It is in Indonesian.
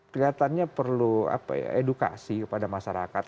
kelihatannya perlu edukasi kepada masyarakat